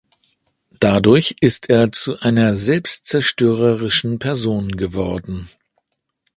Dadurch ist er zu einer selbstzerstörerischen Person geworden.